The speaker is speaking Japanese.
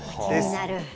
気になる。